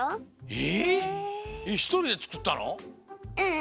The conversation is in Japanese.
え！